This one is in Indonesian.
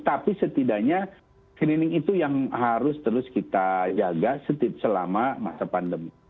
tapi setidaknya screening itu yang harus terus kita jaga selama masa pandemi